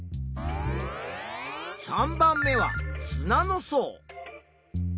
３番目は砂の層。